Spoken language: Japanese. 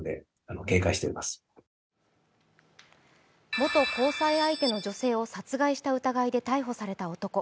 元交際相手の女性を殺害した疑いで逮捕された男。